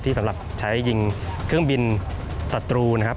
สำหรับใช้ยิงเครื่องบินศัตรูนะครับ